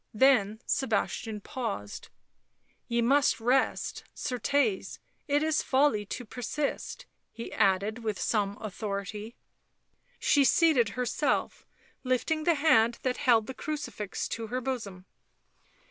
Then Sebastian paused. " Ye must rest, certes, it is folly to persist," he added, with some authority. She seated herself, lifting the hand that held the crucifix to her bosom.